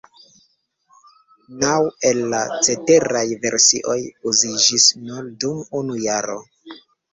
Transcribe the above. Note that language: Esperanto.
Naŭ el la ceteraj versioj uziĝis nur dum unu jaro.